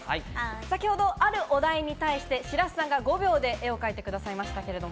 先ほど、あるお題に対して白洲さんが５秒で絵を描いてくれました。